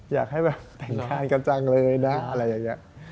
อยากให้แบบแต่งงานกันจังเลยนะอะไรอย่างนี้